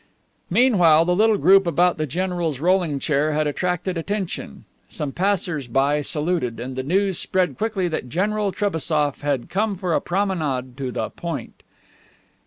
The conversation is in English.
Meanwhile the little group about the general's rolling chair had attracted attention. Some passers by saluted, and the news spread quickly that General Trebassof had come for a promenade to "the Point."